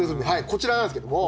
こちらなんですけども。